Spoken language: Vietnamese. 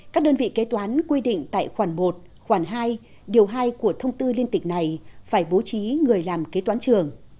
các đơn vị kế toán quy định tại khoản một khoản hai điều hai của thông tư liên tịch này phải bố trí người làm kế toán trường